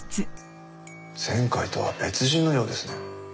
前回とは別人のようですね。